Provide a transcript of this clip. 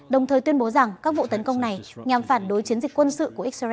đồng thời tuyên bố rằng các vụ tấn công này nhằm phản đối chiến dịch quân sự của israel